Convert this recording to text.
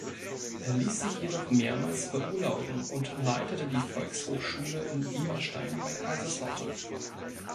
Er ließ sich jedoch mehrmals beurlauben und leitete die Volkshochschule in Diemerstein bei Kaiserslautern.